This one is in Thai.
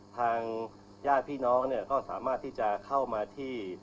ทางญาติพี่น้องสามารถที่จะเข้ามาที่